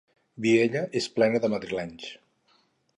Viella és plena de madrilenys.